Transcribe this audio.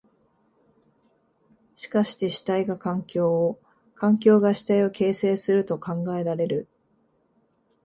しかして主体が環境を、環境が主体を形成すると考えられる。